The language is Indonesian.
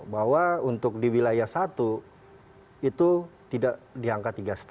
bahwa untuk di wilayah satu itu tidak di angka tiga lima